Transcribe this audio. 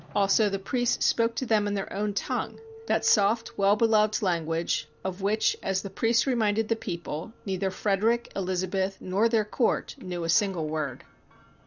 Also, the priests spoke to them in their own tongue — that soft, well beloved language, of which, as the priests reminded the people, neither Frederick, Elizabeth, nor their court knew a single word.